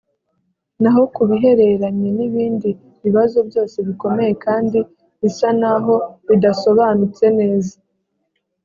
na ho ku bihereranye n ibindi bibazo byose bikomeye kandi bisa n aho bidasobanutse neza